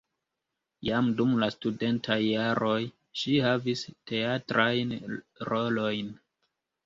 Jam dum la studentaj jaroj ŝi havis teatrajn rolojn.